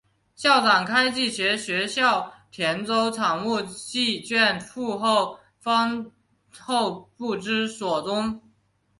校长开济携学校田洲产物契券赴后方后不知所踪。